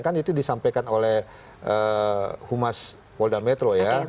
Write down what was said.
kan itu disampaikan oleh humas polda metro ya